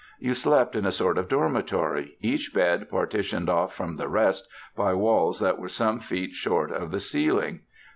You slept in a sort of dormitory, each bed partitioned off from the rest by walls that were some feet short of the ceiling.